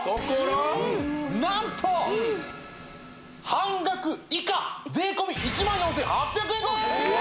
半額以下税込み１万４８００円でーす！